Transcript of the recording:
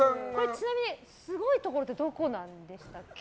ちなみにすごいところってどこなんでしたっけ？